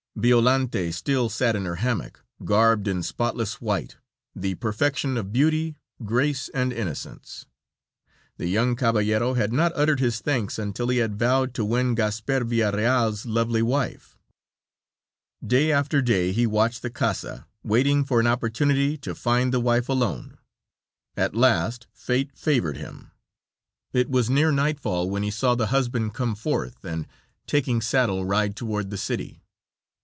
Violante still sat in her hammock, garbed in spotless white, the perfection of beauty, grace and innocence. The young caballero had not uttered his thanks until he had vowed to win Gasper Villareal's lovely wife. Day after day he watched the casa, waiting for an opportunity to find the wife alone. At last fate favored him. It was near nightfall when he saw the husband come forth, and, taking saddle, ride toward the city.